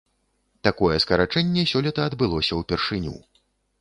Такое скарачэнне сёлета адбылося ўпершыню.